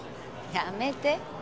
やめて。